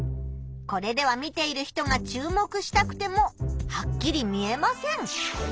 これでは見ている人が注目したくてもはっきり見えません。